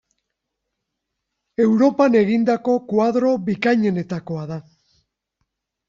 Europan egindako koadro bikainenetakoa da.